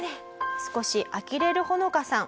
少しあきれるホノカさん。